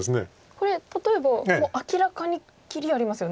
これ例えばもう明らかに切りありますよね。